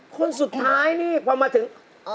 คนสุดท้ายนี่พอมาถึง